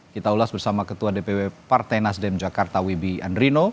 kita ulas bersama ketua dpw partai nasdem jakarta wibi andrino